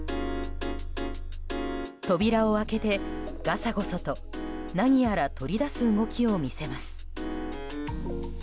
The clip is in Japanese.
扉を開けて、ガサゴソと何やら取り出す動きを見せます。